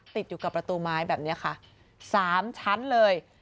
ติดอยู่กับประตูไม้แบบนี้ค่ะ๓ชั้นเลย